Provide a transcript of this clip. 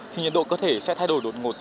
thì nhiệt độ cơ thể sẽ thay đổi đột ngột